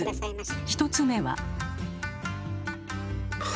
１つ目は？